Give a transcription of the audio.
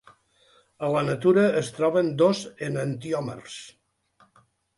A la natura es troben dos enantiòmers.